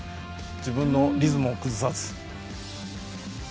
自分のリズムを崩さず。